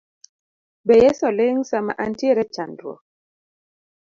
Be Yeso ling sama antiere e chandruok